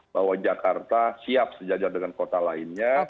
bahwa jakarta siap sejajar dengan kota lainnya